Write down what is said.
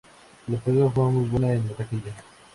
La película fue muy buena en la taquilla.